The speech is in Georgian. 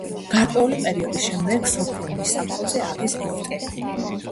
გარკვეული პერიოდის შემდეგ სოფრონის საფლავზე ააგეს ეგვტერი.